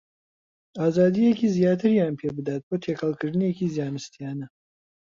ئازادییەکی زیاتریان پێ بدات بۆ تێکەڵکردنێکی زانستییانە